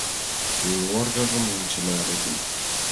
Куэ ужаргымым вучена ыле гын